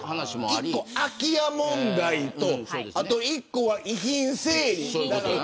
空き家問題と、あと１個は遺品整理。